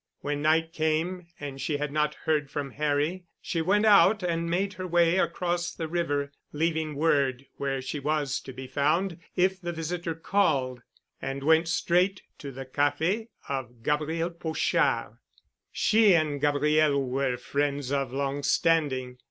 When night came and she had not heard from Harry she went out and made her way across the river, leaving word where she was to be found if the visitor called, and went straight to the café of Gabriel Pochard. She and Gabriel were friends of long standing.